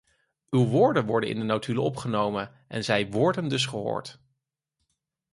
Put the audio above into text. Uw woorden worden in de notulen opgenomen, en zij worden dus gehoord.